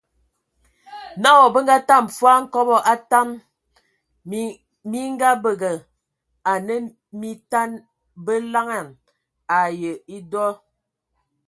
Nao be ngatam voan hkobo a taŋ. minkabǝga ane mitan, be laŋan ayǝa. Edɔ.